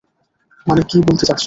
মানে কি বলতে চাচ্ছ?